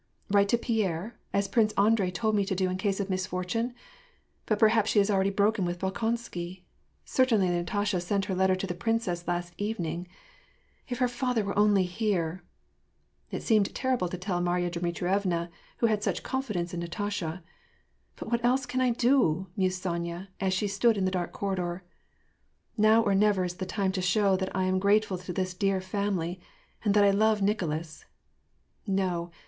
Write to Pierre, as Prince Andrei told me to do in case of misfortune — But perhaps she has already broken with Bolkonsky ! Certainly Natasha sent her letter to the princess last evening — If her father were only here !" It seemed terrible to tell Marya Dmitrievna, who had such confidence in Natasha, " But what else can I do ?" mused Sonya, as she stood in the dark corridor. " Now or never is the time to show that I am grateful to this dear family, and that I love Nicolas. No